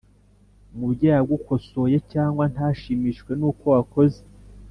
umubyeyi agukosoye cyangwa ntashimishwe n uko wakoze